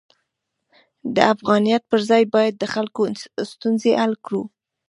د افغانیت پر ځای باید د خلکو ستونزې حل کړو.